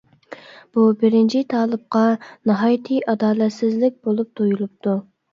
بۇ بىرىنچى تالىپقا ناھايىتى ئادالەتسىزلىك بولۇپ تۇيۇلۇپتۇ.